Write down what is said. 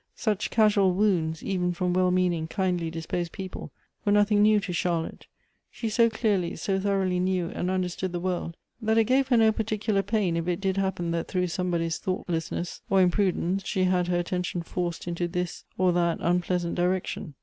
Such casual wounds, even from well meaning, kindly disposed people, were nothing new to Charlotte. She so clearly, so thoroughly knew and un derstood the world, that it gave her no particular pain if it did happen that through somebody's thoughtlessness or imi^rudence she had her attention forced into this or that 248 Goethe's unpleasant direction.